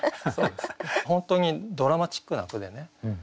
本当にドラマチックな句でね